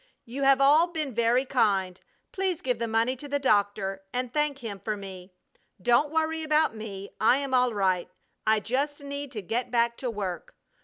You have all been very kind. Please give the money to the doctor and thank him for me. Don't worry about me; I am all right. I just need to get back to work.